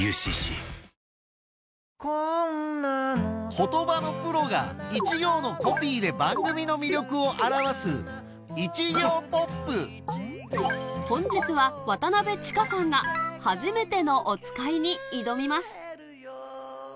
言葉のプロが一行のコピーで番組の魅力を表す本日は渡千佳さんが『はじめてのおつかい』に挑みます